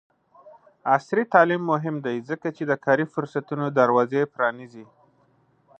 عصري تعلیم مهم دی ځکه چې د کاري فرصتونو دروازې پرانیزي.